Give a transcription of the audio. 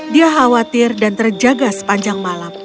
dia khawatir dan terjaga sepanjang malam